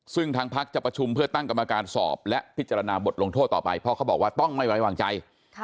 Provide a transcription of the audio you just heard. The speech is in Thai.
ซึ่งทางพักจะประชุมเพื่อตั้งกรรมการสอบและพิจารณาบทลงโทษต่อไปเพราะเขาบอกว่าต้องไม่ไว้วางใจ